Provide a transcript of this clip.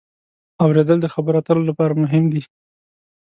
اورېدل د خبرو اترو لپاره مهم دی.